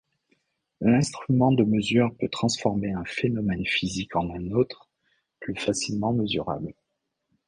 L'instrument de mesure peut transformer un phénomène physique en un autre plus facilement mesurable.